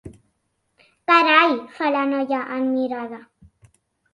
Carai —fa la noia, admirada—.